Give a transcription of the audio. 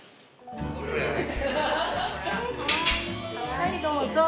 はいどうぞ。